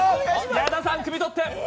矢田さん、くみとって！